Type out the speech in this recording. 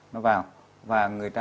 nó vào và người ta có